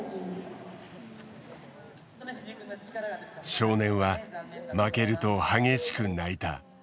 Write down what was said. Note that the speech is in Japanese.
少年は負けると激しく泣いた。